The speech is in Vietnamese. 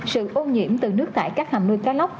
sự ô nhiễm từ nước tại các hầm nuôi cá lóc